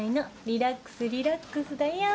リラックスリラックスだよ。